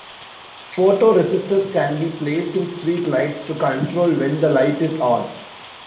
Photoresistors can be placed in streetlights to control when the light is on.